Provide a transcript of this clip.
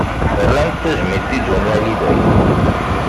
Rran tajmilt i Johnny Hallyday.